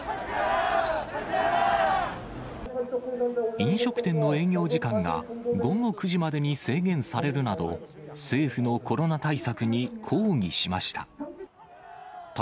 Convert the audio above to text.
飲食店の営業時間が午後９時までに制限されるなど、政府のコロナ対策に抗議しました。